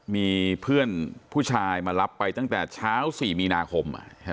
มีเพื่อนผู้ชายมารับไปตั้งแต่เช้า๔มีนาคม